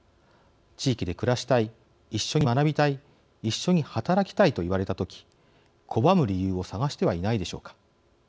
地域で暮らしたい一緒に学びたい一緒に働きたいと言われた時拒む理由を探してはいないでしょうか。